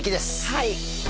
はい。